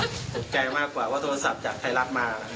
ตกใจมากกว่าว่าโทรศัพท์จากไทยรัฐมา